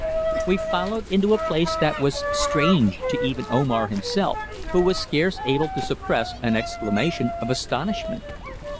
We followed into a place that was strange to even Omar himself, who was scarce able to suppress an exclamation of astonishment.